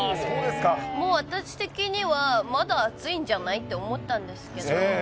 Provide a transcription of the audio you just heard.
もう私的には、まだ暑いんじゃない？って思ったんですけど。